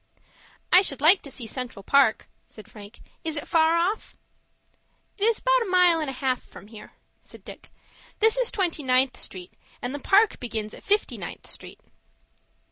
"I should like to see Central Park," said Frank. "Is it far off?" "It is about a mile and a half from here," said Dick. "This is Twenty ninth Street, and the Park begins at Fifty ninth Street."